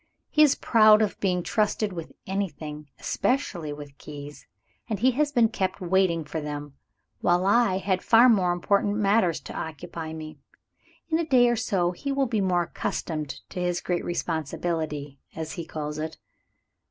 He is proud of being trusted with anything, especially with keys; and he has been kept waiting for them, while I had far more important matters to occupy me. In a day or two he will be more accustomed to his great responsibility, as he calls it."